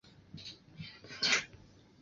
担任江苏宜兴县知县。